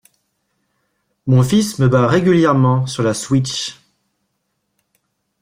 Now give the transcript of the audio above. Mon fils me bat régulièrement sur la Switch.